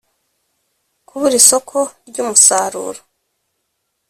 Kubura isoko ry umusaruro